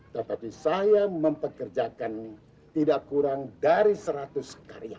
tetapi saya mempekerjakan tidak kurang dari seratus karya